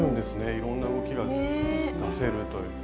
いろんな動きが出せるという。ね。